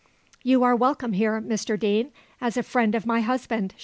"You are welcome here, Mr Deane, as a friend of my husband!"